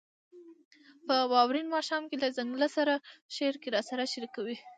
« په واورین ماښام کې له ځنګله سره» شعر کې راسره شریکوي: